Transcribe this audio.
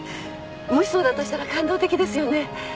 もしそうだとしたら感動的ですよね？